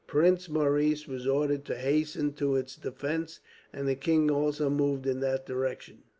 Prince Maurice was ordered to hasten to its defence, and the king also moved in that direction.